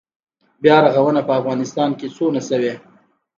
بیا رغونه په افغانستان کې څومره شوې؟